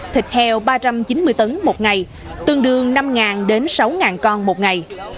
thịt heo ba trăm chín mươi tấn một ngày tương đương năm đến sáu con một ngày